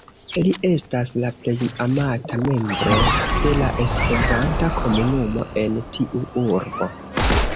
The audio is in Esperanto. Li estas la plej amata membro de la esperanta komunumo en tiu urbo.